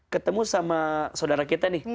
ketemu sama saudara kita nih